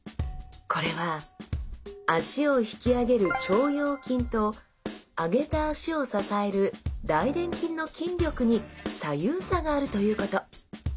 これは脚を引き上げる腸腰筋と上げた脚を支える大臀筋の筋力に左右差があるということ。